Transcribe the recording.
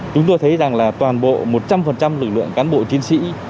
chúng tôi thấy rằng là toàn bộ một trăm linh lực lượng cán bộ chiến sĩ